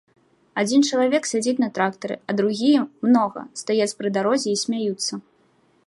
Адзін чалавек сядзіць на трактары, а другія, многа, стаяць пры дарозе і смяюцца.